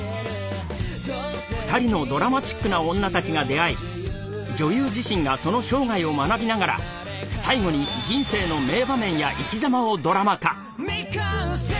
２人のドラマチックなオンナたちが出会い女優自身がその生涯を学びながら最後に人生の名場面や生きざまをドラマ化。